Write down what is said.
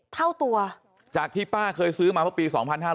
เท่าตัวจากที่ป้าเคยซื้อมาเมื่อปี๒๕๕๙